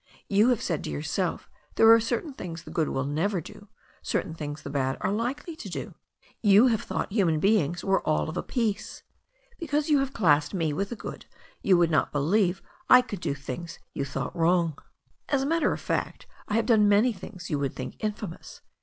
You have said to yourself there are certain things the good will never do, certain things the bad are likely to do. You have thought human beings were all of a piece. Because you have classed me with the good you would not believe I would do things you thought wtows^* 332 THE STORY OF A NEW ZEALAND RIVER As a matter of fact, I have done many things you would think infamous.